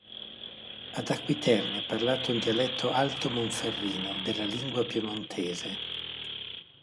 Ad Acqui Terme è parlato un dialetto alto-monferrino della lingua piemontese.